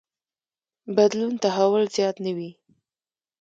بدلون تحول زیات نه وي.